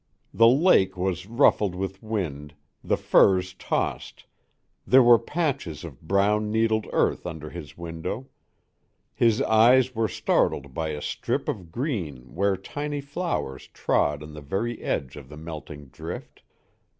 The lake was ruffled with wind, the firs tossed, there were patches of brown needled earth under his window; his eyes were startled by a strip of green where tiny yellow flowers trod on the very edge of the melting drift.